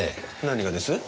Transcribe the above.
何がです？